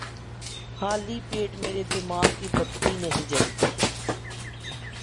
خالی پیٹ میرے دماغ کی بتی نہیں جلتی